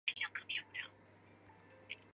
治今额济纳旗西南。